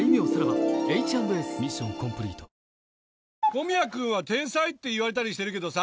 小宮君は天才って言われたりしてるけどさ